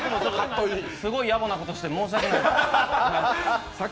すごい野暮なことをして申し訳ない。